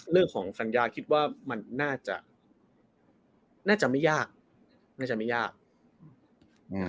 เรื่องของสัญญาคิดว่ามันน่าจะน่าจะไม่ยากน่าจะไม่ยากอืม